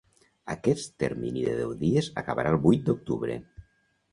Aquest termini de deu dies acabarà el vuit d’octubre.